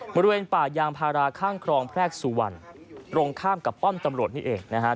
บริเวณป่ายางพาราข้างครองแพรกสุวรรณตรงข้ามกับป้อมตำรวจนี่เองนะครับ